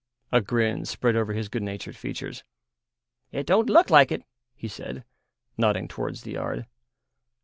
A grin spread over his good natured features. "It don't look like it," he said, nodding towards the yard.